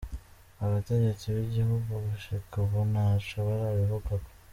Abategetsi b’igihugu gushika ubu nta co barabivugako.